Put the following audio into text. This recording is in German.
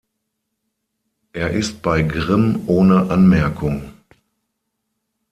Er ist bei Grimm ohne Anmerkung.